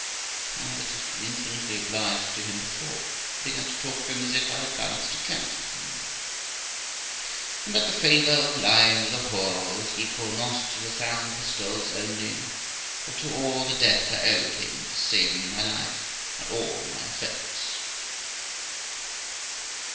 I, that was infinitely obliged to him before, began to talk to him as if I had balanced accounts with him now, and that the favour of lying with a whore was equal, not to the thousand pistoles only, but to all the debt I owed him for saving my life and all my effects.